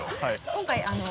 今回あの。